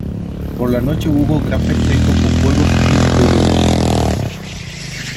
Por la noche hubo gran festejo con fuegos y luminarias.